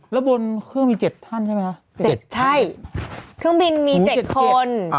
แล้วบนเครื่องมี๗ท่านใช่ไหมคะ๗ใช่เครื่องบินมี๗คน